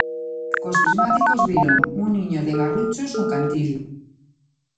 Cos prismáticos viron un niño de garruchos no cantil.